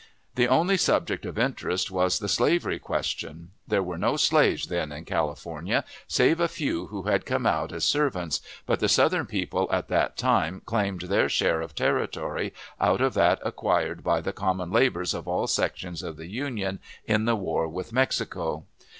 The only subject of interest was the slavery question. There were no slaves then in California, save a few who had come out as servants, but the Southern people at that time claimed their share of territory, out of that acquired by the common labors of all sections of the Union in the war with Mexico.